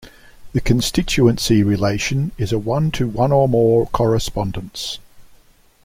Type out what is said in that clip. The constituency relation is a one-to-one-or-more correspondence.